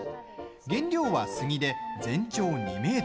原料は杉で全長２ｍ。